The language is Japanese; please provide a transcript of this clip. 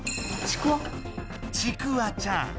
ちくわちゃん独特！